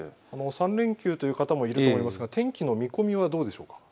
３連休という方もいると思いますが天気の見込みはどうでしょうか。